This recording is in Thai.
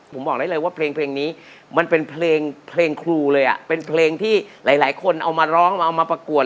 ผมบอกได้เลยว่าเพลงนี้มันเป็นเพลงเพลงครูเลยอ่ะเป็นเพลงที่หลายคนเอามาร้องเอามาประกวด